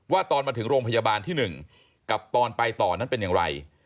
ตอนมาถึงโรงพยาบาลที่๑กับตอนไปต่อนั้นเป็นอย่างไร